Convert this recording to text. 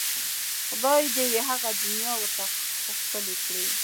خدای دې یې هغه دنیا ورته ښکلې کړي.